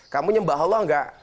kamu nyembah allah nggak